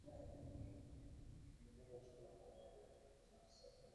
Olwo ebitiibwa bisobole okubasangayo wakati nga baweereza abantu ba Kabaka mu mpeereza ey'omulembe.